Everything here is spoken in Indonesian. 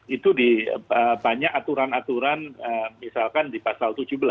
itu banyak aturan aturan misalkan di pasal tujuh belas